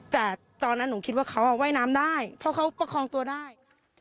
แต่ตอนนั้นหนูคิดว่าเขาว่ายน้ำได้เพราะเขาประคองตัวได้